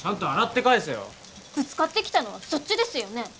ぶつかってきたのはそっちですよね？